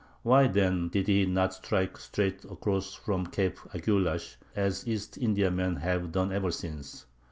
Why, then, did he not strike straight across from Cape Agulhas, as East Indiamen have done ever since?